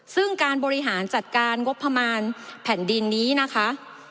ซึ่งการบริหารจัดการงบประมาณแผ่นดินนี้นะคะ